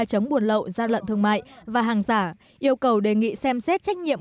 chống buôn lậu giao luận thương mại và hàng giả yêu cầu đề nghị xem xét trách nhiệm